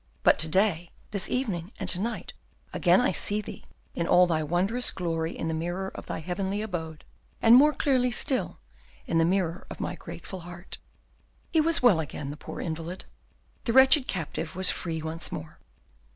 But to day, this evening, and to night, again I see Thee in all Thy wondrous glory in the mirror of Thy heavenly abode, and more clearly still in the mirror of my grateful heart." He was well again, the poor invalid; the wretched captive was free once more.